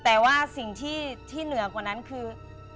แต่ว่าสิ่งที่เหนือกว่านั้นคือ